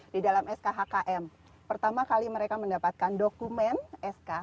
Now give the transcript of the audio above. di dalam skhkm pertama kali mereka mendapatkan dokumen sk